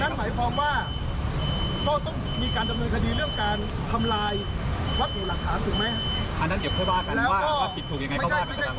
ไม่ใช่ตรงนั้นตรงนั้นเดี๋ยวค่อยว่ากัน